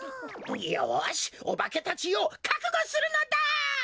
よしおばけたちよかくごするのだ！